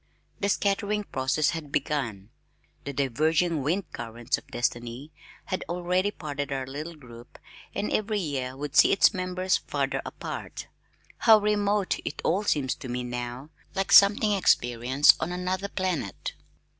The scattering process had begun. The diverging wind currents of destiny had already parted our little group and every year would see its members farther apart. How remote it all seems to me now, like something experienced on another planet!